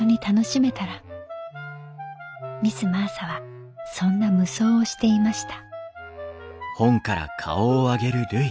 ミス・マーサはそんな夢想をしていました」。